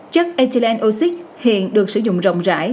chất ethylenine oxide hiện được sử dụng rộng rãi